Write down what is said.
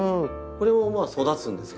これも育つんですか？